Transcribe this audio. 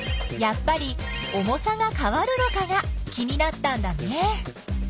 やっぱり重さがかわるのかが気になったんだね。